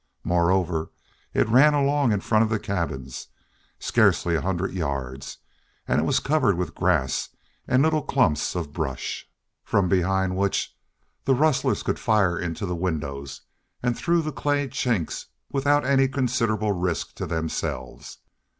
Moreover, it ran along in front of the cabins, scarcely a hundred yards, and it was covered with grass and little clumps of brush, from behind which the rustlers could fire into the windows and through the clay chinks without any considerable risk to themselves.